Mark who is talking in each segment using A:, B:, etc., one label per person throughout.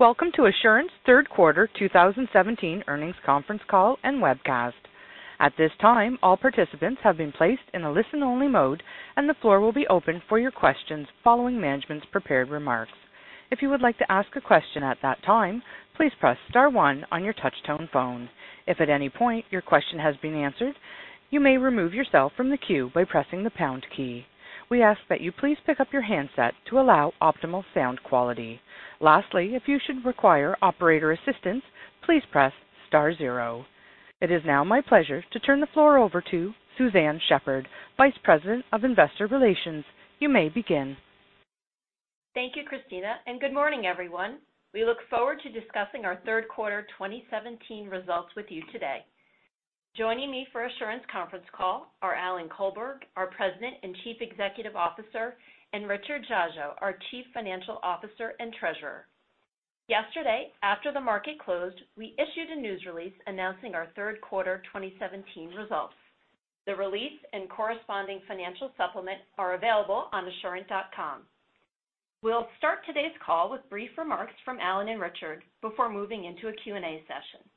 A: Welcome to Assurant's third quarter 2017 earnings conference call and webcast. At this time, all participants have been placed in a listen-only mode, and the floor will be open for your questions following management's prepared remarks. If you would like to ask a question at that time, please press star one on your touch-tone phone. If at any point your question has been answered, you may remove yourself from the queue by pressing the pound key. We ask that you please pick up your handset to allow optimal sound quality. Lastly, if you should require operator assistance, please press star zero. It is now my pleasure to turn the floor over to Suzanne Shepherd, Vice President of Investor Relations. You may begin.
B: Thank you, Christina. Good morning, everyone. We look forward to discussing our third quarter 2017 results with you today. Joining me for Assurant's conference call are Alan Colberg, our President and Chief Executive Officer, and Richard Dziadzio, our Chief Financial Officer and Treasurer. Yesterday, after the market closed, we issued a news release announcing our third quarter 2017 results. The release and corresponding financial supplement are available on assurant.com. We'll start today's call with brief remarks from Alan and Richard before moving into a Q&A session.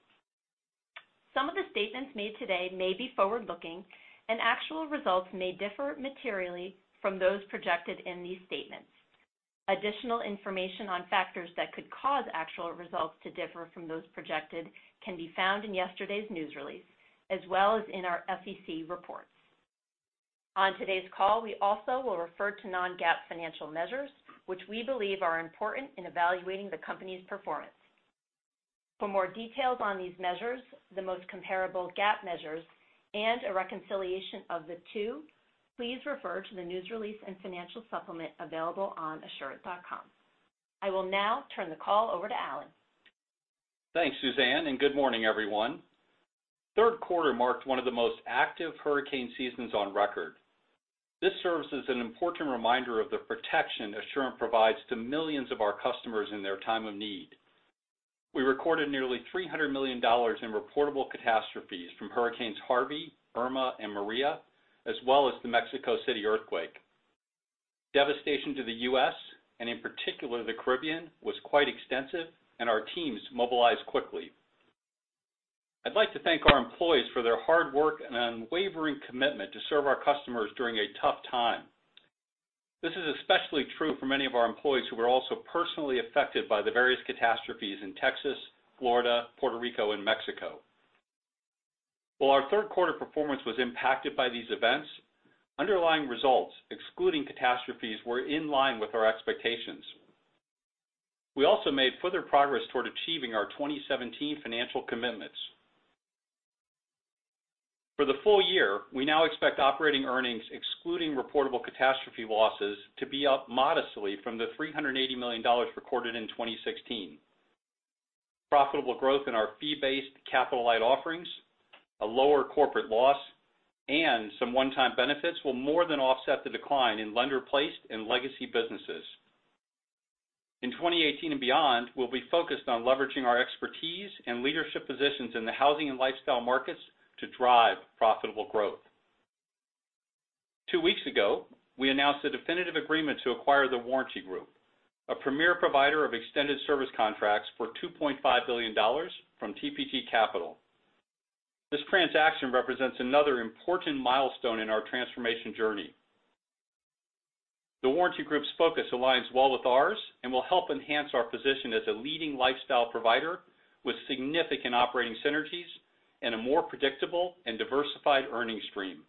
B: Some of the statements made today may be forward-looking, and actual results may differ materially from those projected in these statements. Additional information on factors that could cause actual results to differ from those projected can be found in yesterday's news release, as well as in our SEC reports. On today's call, we also will refer to non-GAAP financial measures, which we believe are important in evaluating the company's performance. For more details on these measures, the most comparable GAAP measures, and a reconciliation of the two, please refer to the news release and financial supplement available on assurant.com. I will now turn the call over to Alan.
C: Thanks, Suzanne. Good morning, everyone. Third quarter marked one of the most active hurricane seasons on record. This serves as an important reminder of the protection Assurant provides to millions of our customers in their time of need. We recorded nearly $300 million in reportable catastrophes from Hurricane Harvey, Hurricane Irma, and Hurricane Maria, as well as the Mexico City earthquake. Devastation to the U.S., in particular, the Caribbean, was quite extensive, and our teams mobilized quickly. I'd like to thank our employees for their hard work and unwavering commitment to serve our customers during a tough time. This is especially true for many of our employees who were also personally affected by the various catastrophes in Texas, Florida, Puerto Rico, and Mexico. While our third quarter performance was impacted by these events, underlying results, excluding catastrophes, were in line with our expectations. We also made further progress toward achieving our 2017 financial commitments. For the full year, we now expect operating earnings, excluding reportable catastrophe losses, to be up modestly from the $380 million recorded in 2016. Profitable growth in our fee-based capital light offerings, a lower corporate loss, and some one-time benefits will more than offset the decline in lender-placed and legacy businesses. In 2018 and beyond, we'll be focused on leveraging our expertise and leadership positions in the housing and lifestyle markets to drive profitable growth. Two weeks ago, we announced a definitive agreement to acquire The Warranty Group, a premier provider of extended service contracts for $2.5 billion from TPG Capital. This transaction represents another important milestone in our transformation journey. The Warranty Group's focus aligns well with ours and will help enhance our position as a leading lifestyle provider with significant operating synergies and a more predictable and diversified earning stream.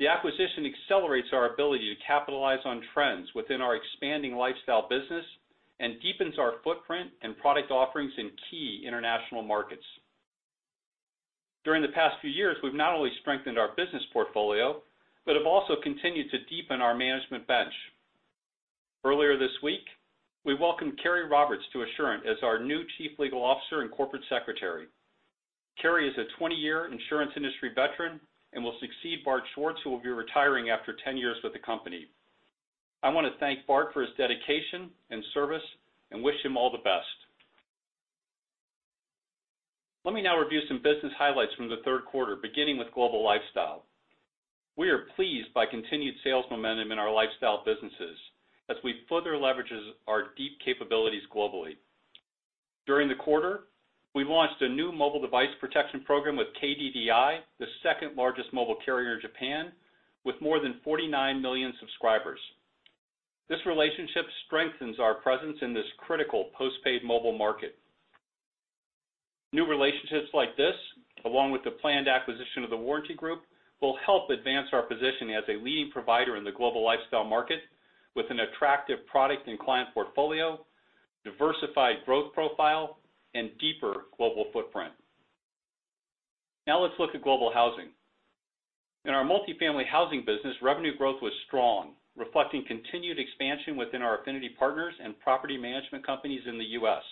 C: The acquisition accelerates our ability to capitalize on trends within our expanding lifestyle business and deepens our footprint and product offerings in key international markets. During the past few years, we've not only strengthened our business portfolio, but have also continued to deepen our management bench. Earlier this week, we welcomed Carey S. Roberts to Assurant as our new Chief Legal Officer and Corporate Secretary. Carey is a 20-year insurance industry veteran and will succeed Bart Schwartz, who will be retiring after 10 years with the company. I want to thank Bart for his dedication and service and wish him all the best. Let me now review some business highlights from the third quarter, beginning with global lifestyle. We are pleased by continued sales momentum in our lifestyle businesses as we further leverage our deep capabilities globally. During the quarter, we launched a new mobile device protection program with KDDI, the second largest mobile carrier in Japan, with more than 49 million subscribers. This relationship strengthens our presence in this critical post-paid mobile market. New relationships like this, along with the planned acquisition of The Warranty Group, will help advance our position as a leading provider in the global lifestyle market with an attractive product and client portfolio, diversified growth profile, and deeper global footprint. Let's look at global housing. In our multifamily housing business, revenue growth was strong, reflecting continued expansion within our affinity partners and property management companies in the U.S.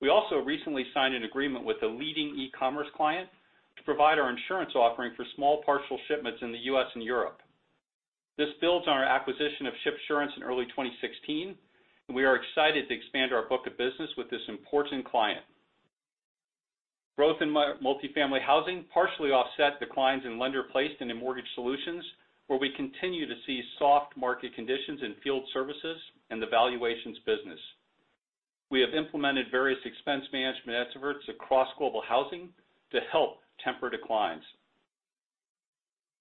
C: We also recently signed an agreement with a leading e-commerce client to provide our insurance offering for small parcel shipments in the U.S. and Europe. This builds on our acquisition of Shipsurance in early 2016. We are excited to expand our book of business with this important client. Growth in multifamily housing partially offset declines in lender-placed and in Mortgage Solutions, where we continue to see soft market conditions in field services and the valuations business. We have implemented various expense management efforts across Global Housing to help temper declines.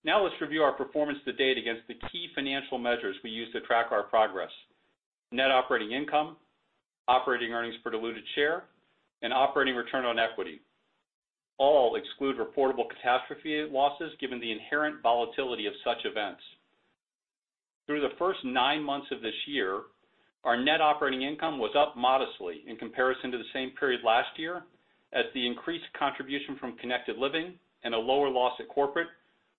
C: Let's review our performance to date against the key financial measures we use to track our progress: net operating income, operating earnings per diluted share, and operating return on equity. All exclude reportable catastrophe losses, given the inherent volatility of such events. Through the first nine months of this year, our net operating income was up modestly in comparison to the same period last year, as the increased contribution from Connected Living and a lower loss at corporate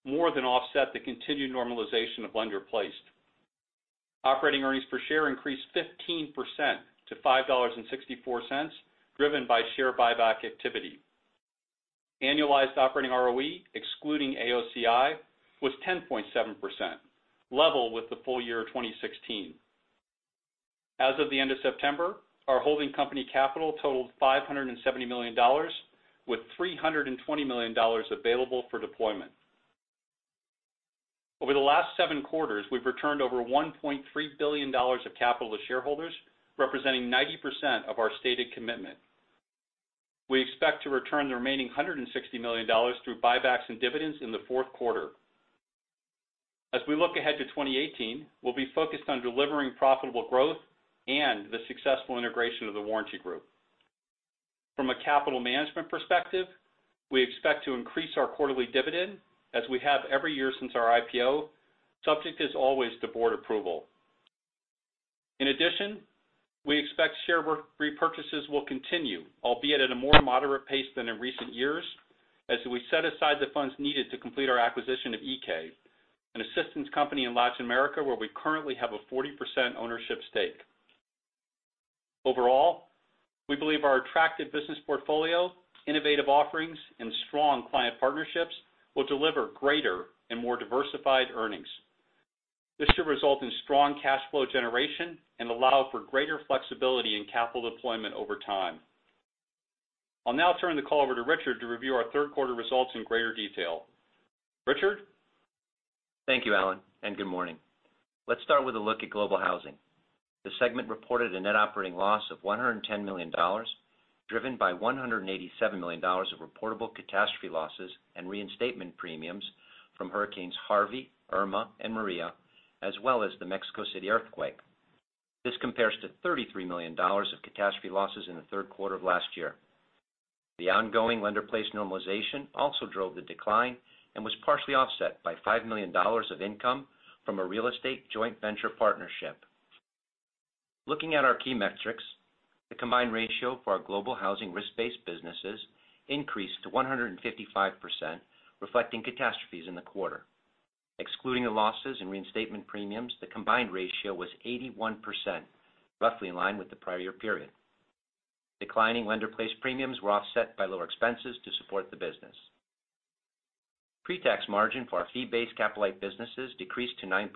C: more than offset the continued normalization of Lender-Placed. Operating earnings per diluted share increased 15% to $5.64, driven by share buyback activity. Annualized operating return on equity, excluding AOCI, was 10.7%, level with the full year 2016. As of the end of September, our holding company capital totaled $570 million, with $320 million available for deployment. Over the last seven quarters, we've returned over $1.3 billion of capital to shareholders, representing 90% of our stated commitment. We expect to return the remaining $160 million through buybacks and dividends in the fourth quarter. As we look ahead to 2018, we'll be focused on delivering profitable growth and the successful integration of The Warranty Group. From a capital management perspective, we expect to increase our quarterly dividend, as we have every year since our IPO, subject as always to board approval. In addition, we expect share repurchases will continue, albeit at a more moderate pace than in recent years, as we set aside the funds needed to complete our acquisition of Iké Asistencia, an assistance company in Latin America where we currently have a 40% ownership stake. Overall, we believe our attractive business portfolio, innovative offerings, and strong client partnerships will deliver greater and more diversified earnings. This should result in strong cash flow generation and allow for greater flexibility in capital deployment over time. I'll now turn the call over to Richard to review our third quarter results in greater detail. Richard?
D: Thank you, Alan, and good morning. Let's start with a look at Global Housing. The segment reported a net operating loss of $110 million, driven by $187 million of reportable catastrophe losses and reinstatement premiums from Hurricane Harvey, Hurricane Irma, and Hurricane Maria, as well as the Mexico City earthquake. This compares to $33 million of catastrophe losses in the third quarter of last year. The ongoing Lender-Placed normalization also drove the decline and was partially offset by $5 million of income from a real estate joint venture partnership. Looking at our key metrics, the combined ratio for our Global Housing risk-based businesses increased to 155%, reflecting catastrophes in the quarter. Excluding the losses and reinstatement premiums, the combined ratio was 81%, roughly in line with the prior year period. Declining Lender-Placed premiums were offset by lower expenses to support the business. Pre-tax margin for our fee-based capital-light businesses decreased to 9%.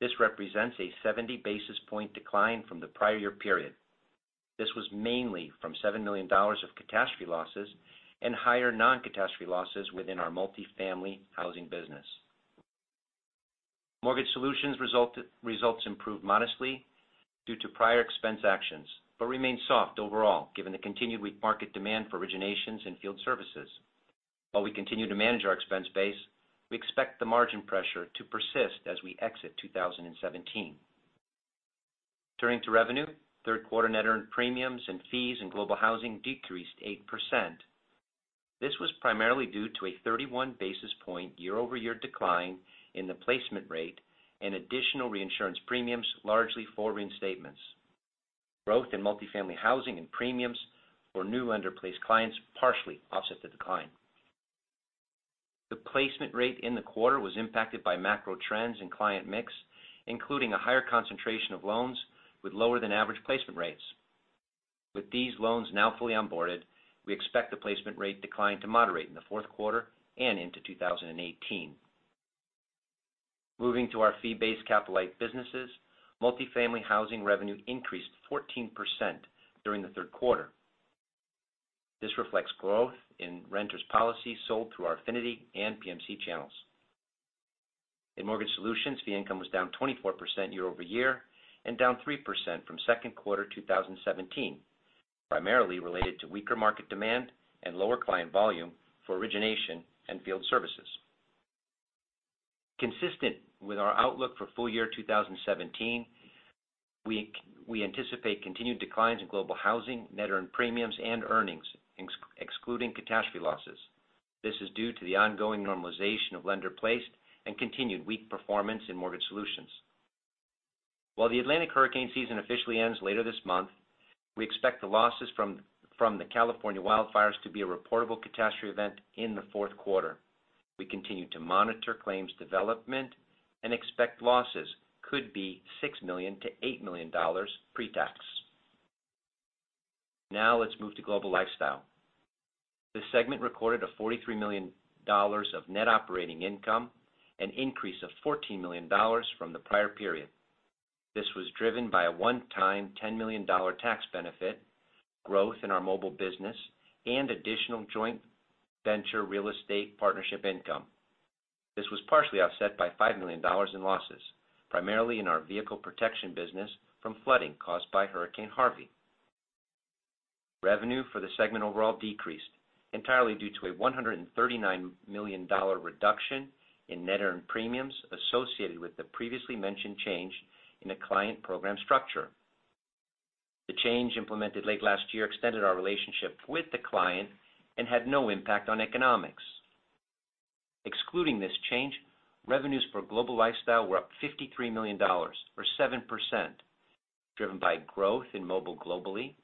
D: This represents a 70 basis point decline from the prior year period. This was mainly from $7 million of catastrophe losses and higher non-catastrophe losses within our multifamily housing business. Mortgage Solutions results improved modestly due to prior expense actions, but remain soft overall given the continued weak market demand for originations and field services. While we continue to manage our expense base, we expect the margin pressure to persist as we exit 2017. Turning to revenue, third quarter net earned premiums and fees in Global Housing decreased 8%. This was primarily due to a 31 basis point year-over-year decline in the placement rate and additional reinsurance premiums, largely for reinstatements. Growth in multifamily housing and premiums for new Lender-Placed clients partially offset the decline. The placement rate in the quarter was impacted by macro trends and client mix, including a higher concentration of loans with lower than average placement rates. With these loans now fully onboarded, we expect the placement rate decline to moderate in the fourth quarter and into 2018. Moving to our fee-based capital-light businesses, multifamily housing revenue increased 14% during the third quarter. This reflects growth in renters policy sold through our affinity and PMC channels. In Mortgage Solutions, fee income was down 24% year-over-year and down 3% from second quarter 2017, primarily related to weaker market demand and lower client volume for origination and field services. Consistent with our outlook for full year 2017, we anticipate continued declines in Global Housing, net earned premiums, and earnings, excluding catastrophe losses. This is due to the ongoing normalization of lender-placed and continued weak performance in Mortgage Solutions. While the Atlantic hurricane season officially ends later this month, we expect the losses from the California wildfires to be a reportable catastrophe event in the fourth quarter. We continue to monitor claims development and expect losses could be $6 million-$8 million pre-tax. Let's move to Global Lifestyle. This segment recorded $43 million of net operating income, an increase of $14 million from the prior period. This was driven by a one-time $10 million tax benefit, growth in our mobile business, and additional joint venture real estate partnership income. This was partially offset by $5 million in losses, primarily in our vehicle protection business from flooding caused by Hurricane Harvey. Revenue for the segment overall decreased entirely due to a $139 million reduction in net earned premiums associated with the previously mentioned change in the client program structure. The change implemented late last year extended our relationship with the client and had no impact on economics. Excluding this change, revenues for Global Lifestyle were up $53 million or 7%, driven by growth in mobile globally,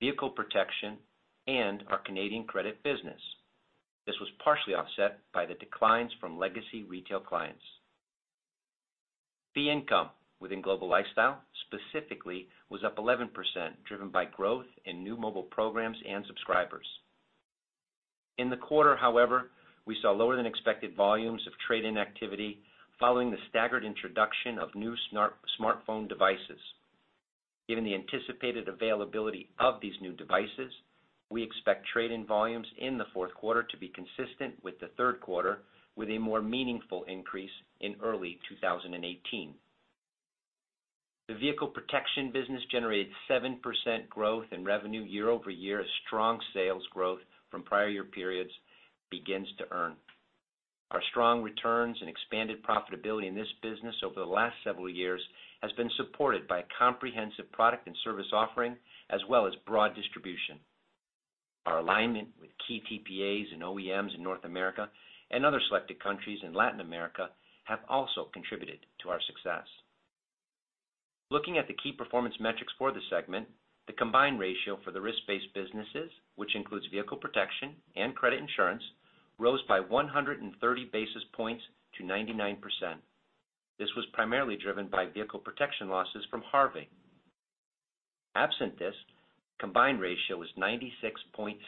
D: vehicle protection, and our Canadian credit business. This was partially offset by the declines from legacy retail clients. Fee income within Global Lifestyle specifically was up 11%, driven by growth in new mobile programs and subscribers. In the quarter, however, we saw lower than expected volumes of trade-in activity following the staggered introduction of new smartphone devices. Given the anticipated availability of these new devices, we expect trade-in volumes in the fourth quarter to be consistent with the third quarter, with a more meaningful increase in early 2018. The vehicle protection business generated 7% growth in revenue year-over-year as strong sales growth from prior year periods begins to earn. Our strong returns and expanded profitability in this business over the last several years has been supported by a comprehensive product and service offering as well as broad distribution. Our alignment with key TPAs and OEMs in North America and other selected countries in Latin America have also contributed to our success. Looking at the key performance metrics for the segment, the combined ratio for the risk-based businesses, which includes vehicle protection and credit insurance, rose by 130 basis points to 99%. This was primarily driven by vehicle protection losses from Harvey. Absent this, the combined ratio was 96.6%,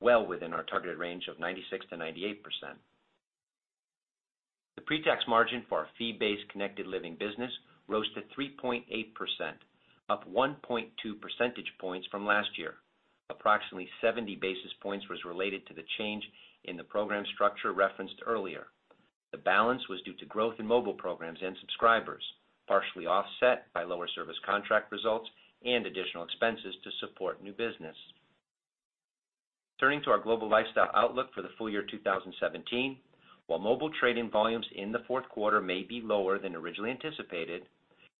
D: well within our targeted range of 96%-98%. The pre-tax margin for our fee-based Connected Living business rose to 3.8%, up 1.2 percentage points from last year. Approximately 70 basis points was related to the change in the program structure referenced earlier. The balance was due to growth in mobile programs and subscribers, partially offset by lower service contract results and additional expenses to support new business. Turning to our Global Lifestyle outlook for the full year 2017, while mobile trade-in volumes in the fourth quarter may be lower than originally anticipated,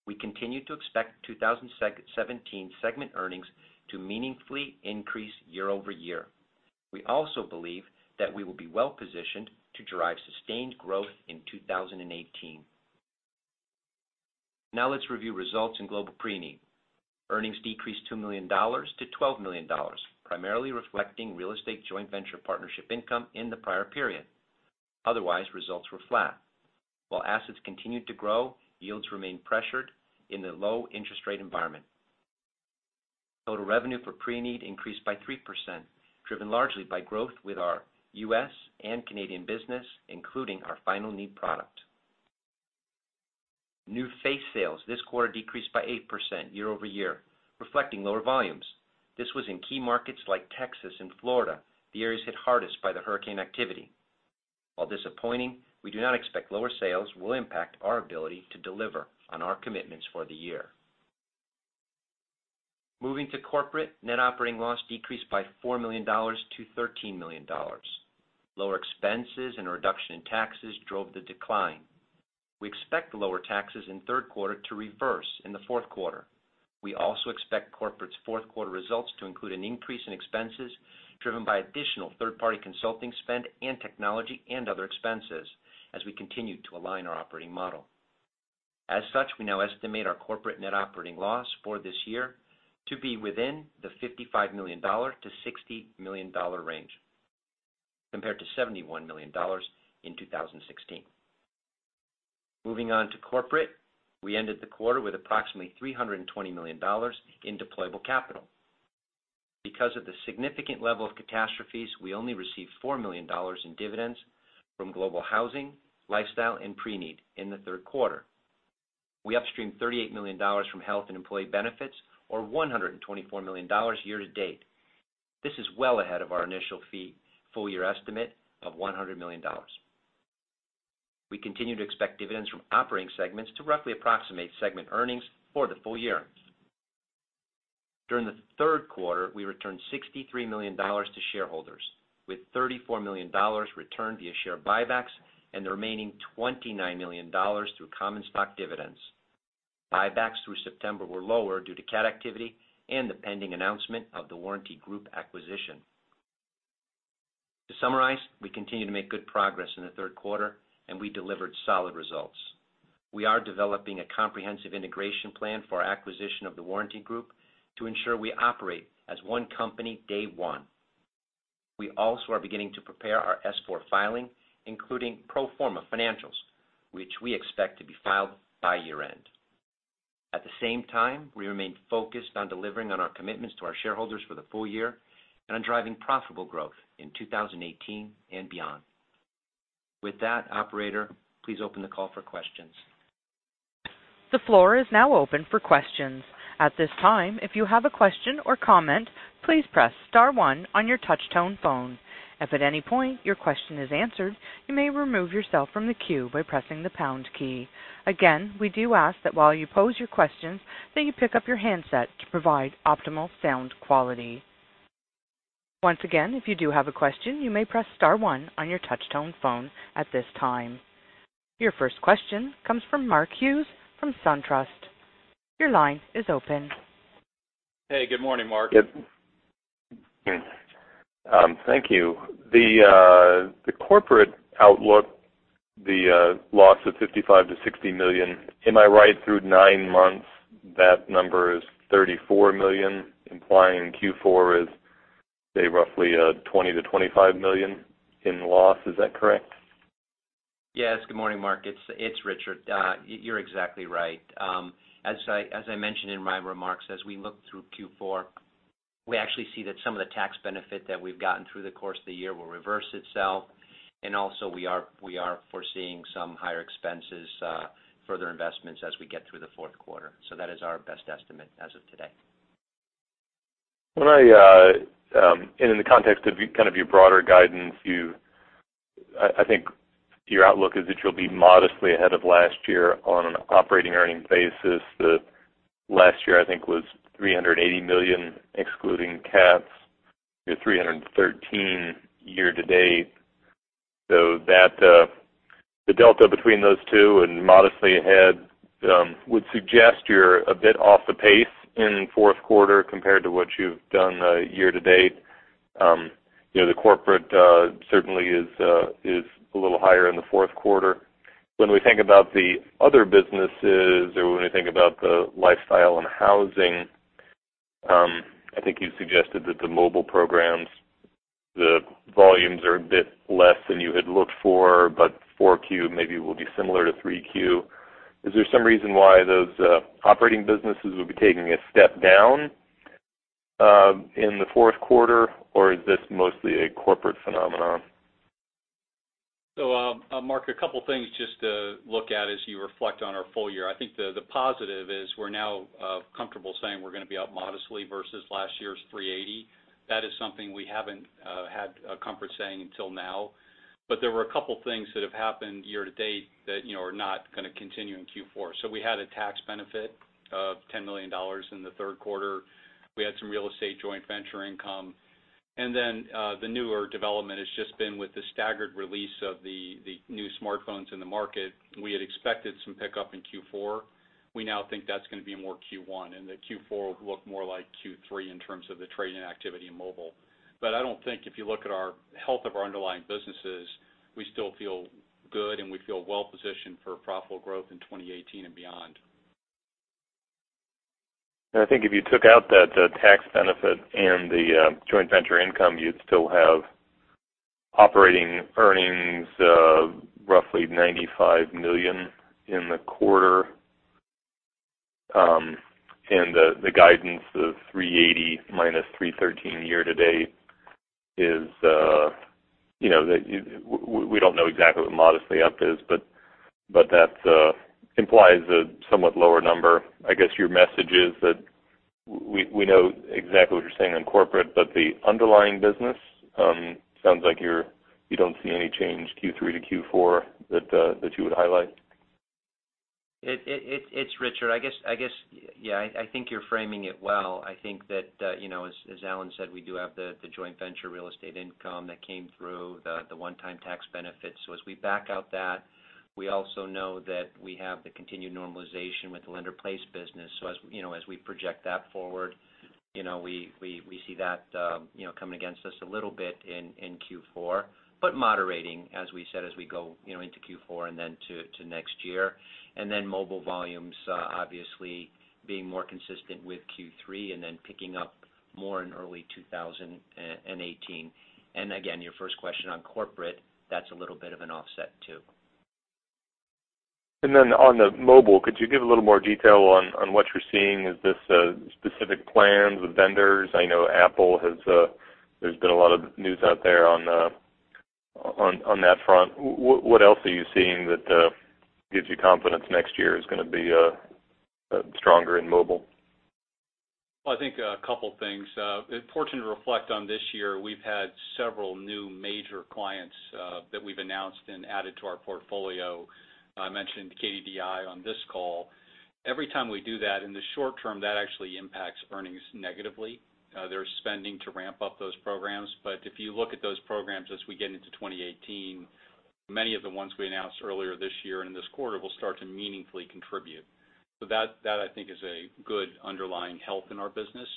D: we continue to expect 2017 segment earnings to meaningfully increase year-over-year. We also believe that we will be well-positioned to derive sustained growth in 2018. Now let's review results in Global Preneed. Earnings decreased $2 million to $12 million, primarily reflecting real estate joint venture partnership income in the prior period. Otherwise, results were flat. While assets continued to grow, yields remained pressured in the low interest rate environment. Total revenue for Preneed increased by 3%, driven largely by growth with our U.S. and Canadian business, including our Final Need product. New face sales this quarter decreased by 8% year-over-year, reflecting lower volumes. This was in key markets like Texas and Florida, the areas hit hardest by the hurricane activity. While disappointing, we do not expect lower sales will impact our ability to deliver on our commitments for the year. Moving to corporate, net operating loss decreased by $4 million to $13 million. Lower expenses and a reduction in taxes drove the decline. We expect the lower taxes in the third quarter to reverse in the fourth quarter. We also expect corporate's fourth quarter results to include an increase in expenses driven by additional third-party consulting spend in technology and other expenses as we continue to align our operating model. As such, we now estimate our corporate net operating loss for this year to be within the $55 million-$60 million range, compared to $71 million in 2016. Moving on to corporate, we ended the quarter with approximately $320 million in deployable capital. Because of the significant level of catastrophes, we only received $4 million in dividends from Global Housing, Global Lifestyle, and Global Preneed in the third quarter. We upstreamed $38 million from health and employee benefits or $124 million year-to-date. This is well ahead of our initial full year estimate of $100 million. We continue to expect dividends from operating segments to roughly approximate segment earnings for the full year. During the third quarter, we returned $63 million to shareholders, with $34 million returned via share buybacks and the remaining $29 million through common stock dividends. Buybacks through September were lower due to cat activity and the pending announcement of The Warranty Group acquisition. To summarize, we continue to make good progress in the third quarter, and we delivered solid results. We are developing a comprehensive integration plan for our acquisition of The Warranty Group to ensure we operate as one company day one. We also are beginning to prepare our S-4 filing, including pro forma financials, which we expect to be filed by year-end. At the same time, we remain focused on delivering on our commitments to our shareholders for the full year and on driving profitable growth in 2018 and beyond. With that, operator, please open the call for questions.
A: The floor is now open for questions. At this time, if you have a question or comment, please press star one on your touch-tone phone. If at any point your question is answered, you may remove yourself from the queue by pressing the pound key. Again, we do ask that while you pose your questions, that you pick up your handset to provide optimal sound quality. Once again, if you do have a question, you may press star one on your touch-tone phone at this time. Your first question comes from Mark Hughes from SunTrust. Your line is open.
C: Hey, good morning, Mark.
E: Thank you. The corporate outlook, the loss of $55 million-$60 million. Am I right, through nine months, that number is $34 million, implying Q4 is, say, roughly a $20 million-$25 million in loss. Is that correct?
D: Yes. Good morning, Mark. It's Richard. You're exactly right. As I mentioned in my remarks, as we look through Q4, we actually see that some of the tax benefit that we've gotten through the course of the year will reverse itself. Also we are foreseeing some higher expenses, further investments as we get through the fourth quarter. That is our best estimate as of today.
E: In the context of kind of your broader guidance, I think your outlook is that you'll be modestly ahead of last year on an operating earnings basis. Last year, I think was $380 million, excluding caps. You're $313 year to date. The delta between those two and modestly ahead would suggest you're a bit off the pace in the fourth quarter compared to what you've done year to date. The corporate certainly is a little higher in the fourth quarter. When we think about the other businesses or when we think about the Lifestyle and Housing, I think you suggested that the mobile programs, the volumes are a bit less than you had looked for, 4Q maybe will be similar to 3Q. Is there some reason why those operating businesses would be taking a step down in the fourth quarter, or is this mostly a corporate phenomenon?
D: Mark, a couple things just to look at as you reflect on our full year. I think the positive is we're now comfortable saying we're going to be up modestly versus last year's $380. That is something we haven't had comfort saying until now. There were a couple things that have happened year to date that are not going to continue in Q4. We had a tax benefit of $10 million in the third quarter. We had some real estate joint venture income. The newer development has just been with the staggered release of the new smartphones in the market. We had expected some pickup in Q4. We now think that's going to be more Q1, and that Q4 will look more like Q3 in terms of the trading activity in mobile. I don't think if you look at our health of our underlying businesses, we still feel good and we feel well-positioned for profitable growth in 2018 and beyond.
E: I think if you took out that tax benefit and the joint venture income, you'd still have operating earnings of roughly $95 million in the quarter. The guidance of 380 minus 313 year to date, we don't know exactly what modestly up is, but that implies a somewhat lower number. I guess your message is that we know exactly what you're saying on corporate, but the underlying business sounds like you don't see any change Q3 to Q4 that you would highlight.
D: It's Richard. I guess, yeah, I think you're framing it well. I think that, as Alan said, we do have the joint venture real estate income that came through, the one-time tax benefit. As we back out that, we also know that we have the continued normalization with the Lender-Placed business. As we project that forward, we see that coming against us a little bit in Q4, but moderating, as we said, as we go into Q4 and then to next year. Mobile volumes obviously being more consistent with Q3 and then picking up more in early 2018. Again, your first question on corporate, that's a little bit of an offset, too.
E: On the mobile, could you give a little more detail on what you're seeing? Is this specific plans with vendors? I know there's been a lot of news out there on that front. What else are you seeing that gives you confidence next year is going to be stronger in mobile?
C: Well, I think a couple of things. It's important to reflect on this year, we've had several new major clients that we've announced and added to our portfolio. I mentioned KDDI on this call. Every time we do that, in the short term, that actually impacts earnings negatively. There's spending to ramp up those programs. If you look at those programs as we get into 2018, many of the ones we announced earlier this year and this quarter will start to meaningfully contribute. That I think is a good underlying health in our business.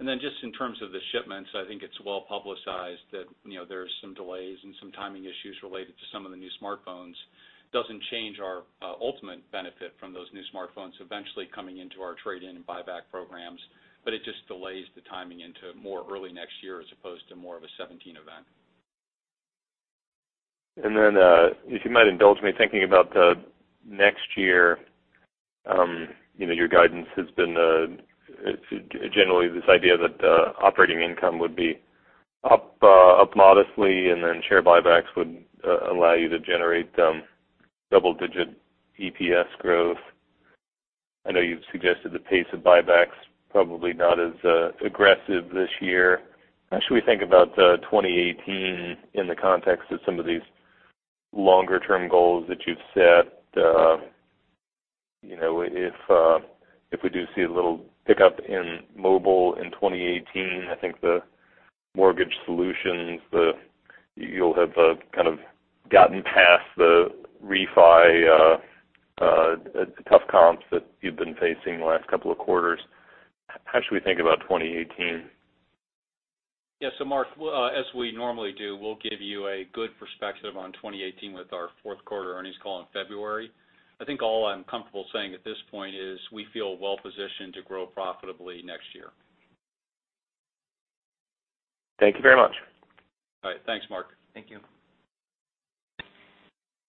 C: Just in terms of the shipments, I think it's well-publicized that there are some delays and some timing issues related to some of the new smartphones.
D: Doesn't change our ultimate benefit from those new smartphones eventually coming into our trade-in and buyback programs, but it just delays the timing into more early next year as opposed to more of a 2017 event.
E: If you might indulge me thinking about the next year. Your guidance has been, generally, this idea that operating income would be up modestly, and then share buybacks would allow you to generate double-digit EPS growth. I know you've suggested the pace of buybacks probably not as aggressive this year. How should we think about 2018 in the context of some of these longer-term goals that you've set? If we do see a little pickup in mobile in 2018, I think the Mortgage Solutions, you'll have kind of gotten past the refi tough comps that you've been facing the last couple of quarters. How should we think about 2018?
C: Yeah. Mark, as we normally do, we'll give you a good perspective on 2018 with our fourth quarter earnings call in February. I think all I'm comfortable saying at this point is we feel well-positioned to grow profitably next year.
E: Thank you very much.
C: All right. Thanks, Mark.
B: Thank you.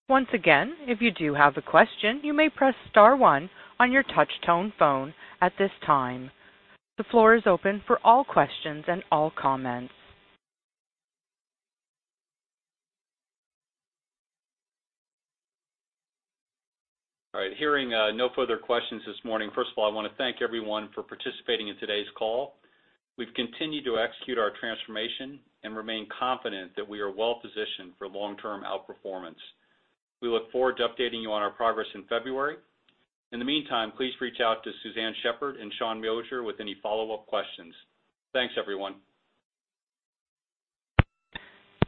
A: Once again, if you do have a question, you may press star one on your touch-tone phone at this time. The floor is open for all questions and all comments.
C: All right. Hearing no further questions this morning. First of all, I want to thank everyone for participating in today's call. We've continued to execute our transformation and remain confident that we are well-positioned for long-term outperformance. We look forward to updating you on our progress in February. In the meantime, please reach out to Suzanne Shepherd and Sean Moshier with any follow-up questions. Thanks, everyone.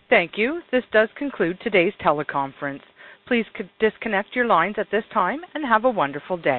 A: Thank you. This does conclude today's teleconference. Please disconnect your lines at this time, and have a wonderful day.